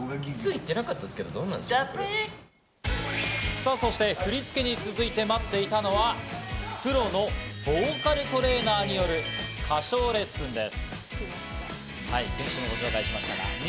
さぁ、そして振り付けに続いて待っていたのはプロのボーカルトレーナーによる歌唱レッスンです。